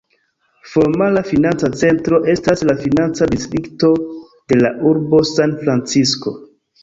Formala financa centro estas la financa distrikto de la urbo San-Francisko.